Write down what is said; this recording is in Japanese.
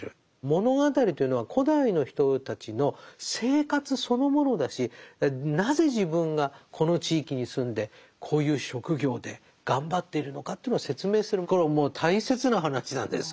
物語というのは古代の人たちの生活そのものだしなぜ自分がこの地域に住んでこういう職業で頑張っているのかというのを説明するこれももう大切な話なんです